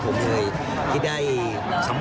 ความกลิ่นติในใจ